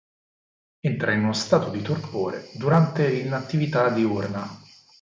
Entra in uno stato di torpore durante l'inattività diurna.